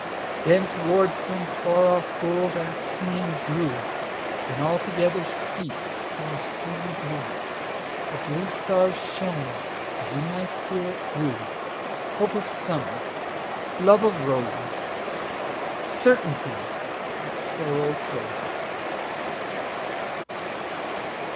Then toward some far off goal that singing drew; Then altogether ceas'd; more steely blueThe blue stars shone; but in my spirit grewHope of Summer, love of Roses, Certainty that Sorrow closes.